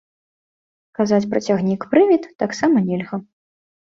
Казаць пра цягнік-прывід таксама нельга.